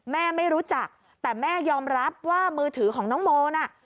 ไม่รู้จักแต่แม่ยอมรับว่ามือถือของน้องโมน่ะ